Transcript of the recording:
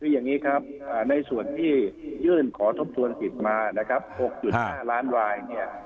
คืออย่างนี้ครับในส่วนที่ยื่นขอทบทวนสิทธิ์มานะครับ๖๕ล้านรายเนี่ย